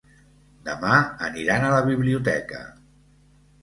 Demà aniran a la biblioteca.